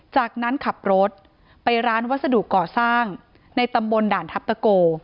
จากนั้นขับรถไปร้านวัสดุก่อสร้างในตำบลด่านทัพตะโก